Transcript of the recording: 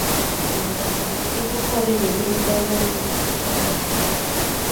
Mientras tanto el tiempo corre y hay que evitar una inminente catástrofe.